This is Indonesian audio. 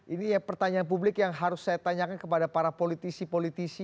ini pertanyaan publik yang harus saya tanyakan kepada para politisi politisi